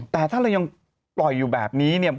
แต่ถ้าเรายังปล่อยอยู่แบบนี้เนี่ย